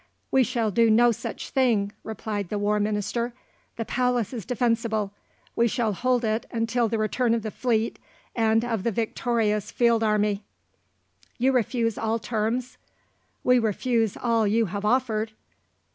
"We shall do no such thing," replied the War Minister. "The palace is defensible. We shall hold it until the return of the fleet and of the victorious field army." "You refuse all terms?" "We refuse all you have offered."